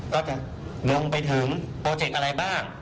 ก็จะลงไปถึงโปรเจกต์อะไรบ้าง